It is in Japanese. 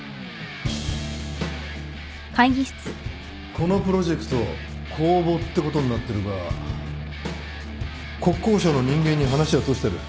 このプロジェクト公募ってことになってるが国交省の人間に話は通してある。